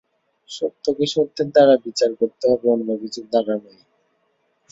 সত্যকে সত্যের দ্বারা বিচার করতে হবে, অন্য কিছুর দ্বারা নয়।